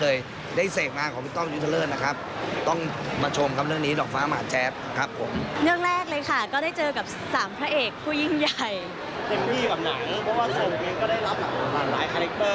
เรื่องแรกเลยค่ะก็ได้เจอกับ๓พระเอกผู้ยิ่งใหญ่